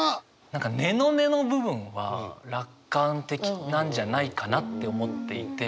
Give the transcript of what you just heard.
何か根の根の部分は楽観的なんじゃないかなって思っていて。